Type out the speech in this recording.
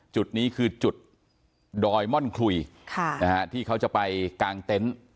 จุดนี้คือจุดดอยม่อนคลุยที่เขาจะไปกางเต็นต์